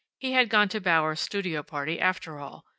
He had gone to Bauer's studio party after all.